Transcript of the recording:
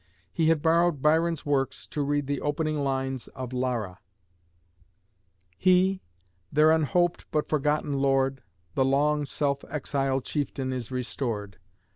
He had borrowed Byron's works to read the opening lines of 'Lara': "He, their unhoped, but unforgotten lord, The long self exiled chieftain, is restored.